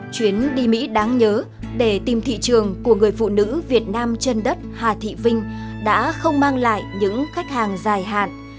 chuyến đi mỹ đáng nhớ để tìm thị trường của người phụ nữ việt nam chân đất hà thị vinh đã không mang lại những khách hàng dài hạn